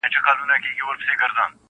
• ماشومانو په ځیر ځیر ورته کتله -